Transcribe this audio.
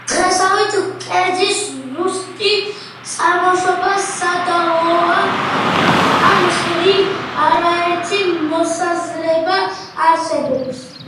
დღეისათვის კერძის ზუსტი წარმოშობა სადავოა, ამ მხრივ არაერთი მოსაზრება არსებობს.